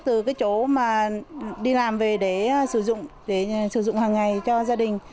từ cái chỗ mà đi làm về để sử dụng để sử dụng hàng ngày cho gia đình